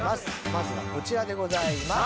まずはこちらでございます。